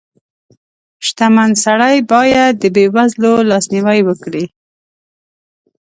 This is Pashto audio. • شتمن سړی باید د بېوزلو لاسنیوی وکړي.